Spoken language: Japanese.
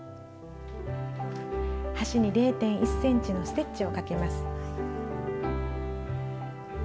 端に０．１ｃｍのステッチをかけます。